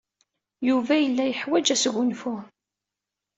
Yuba yella yeḥwaj asgunfu.